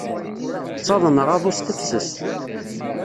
Ttaḍneɣ aḍu s tefses.